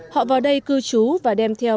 họ vào đây cư trú và đem theo